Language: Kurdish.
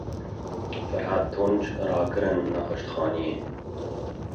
Ferhat Tunç rakirin nexweşxaneyê.